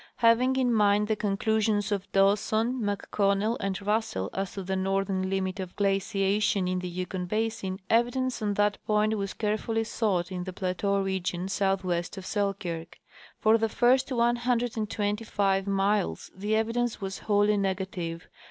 Having in mind the conclusions of Dawson, McConnell and Russell as to the northern limit of glaciation in the Yukon basin, evidence on that point was carefully sought in the plateau region southwest of Selkirk. For the first one hundred and twenty five miles the evidence was wholly negative.